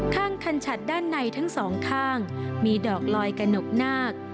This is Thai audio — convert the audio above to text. ข้างคันฉัดด้านในทั้งสองข้างมีดอกลอยกระหนกนาค